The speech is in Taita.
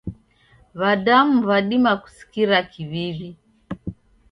W'adamu w'adima kusikira kiw'iw'i.